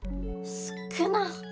少なっ。